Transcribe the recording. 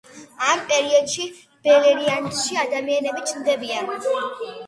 ამ პერიოდში ბელერიანდში ადამიანები ჩნდებიან.